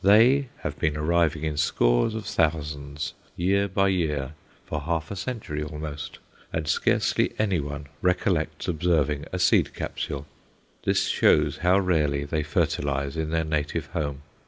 They have been arriving in scores of thousands, year by year, for half a century almost, and scarcely anyone recollects observing a seed capsule. This shows how rarely they fertilize in their native home.